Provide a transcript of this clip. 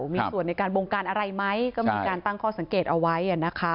มีส่วนในการบงการอะไรไหมก็มีการตั้งข้อสังเกตเอาไว้นะคะ